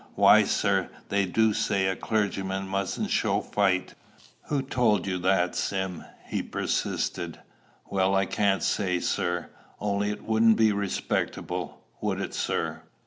"Why, sir, they do say a clergyman mustn't show fight." "Who told you that, Sim?" he persisted. "Well, I can't say, sir. Only it wouldn't be respectable; would it, sir?"